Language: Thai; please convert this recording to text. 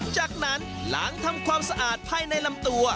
จากนั้นหลังทำความสะอาดภายในลำตัว